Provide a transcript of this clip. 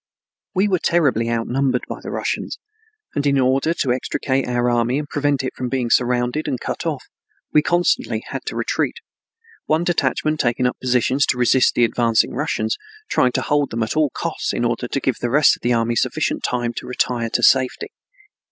We were then terribly outnumbered by the Russians, and in order to extricate our army and prevent it from being surrounded and cut off, we constantly had to retreat, one detachment taking up positions to resist the advancing Russians, trying to hold them at all costs in order to give the rest of the army sufficient time to retire to safety.